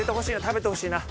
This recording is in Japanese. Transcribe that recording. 食べてほしいな。